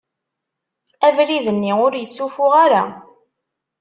Abrid-nni ur yessufuɣ ara.